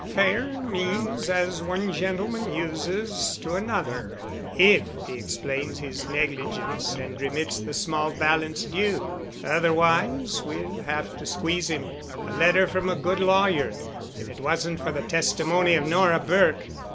"Fair means, as one gentleman uses to another, if he explains his negligence and remits the small balance due. Otherwise, we'll have to squeeze him. A letter from a good lawyer—if it wasn't for the testimony of Nora Burke!"